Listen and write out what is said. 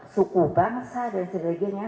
suku bangsa dan sebagainya